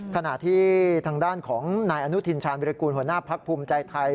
ขณะที่ทางด้านของนายอนุทินชาญวิรากูลหัวหน้าพักภูมิใจไทย